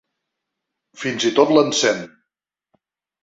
Fins i tot l'encén.